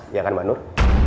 ya kan mbak nur